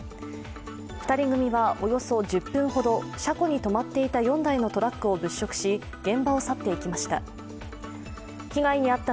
２人組はおよそ１０分ほど車庫に止まっていた４台のトラックを物色し、現場を去っていきました。